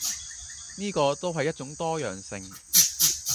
呢個都係一種多樣性